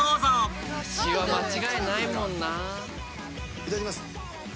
いただきます。